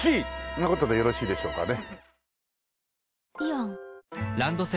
な事でよろしいでしょうかね。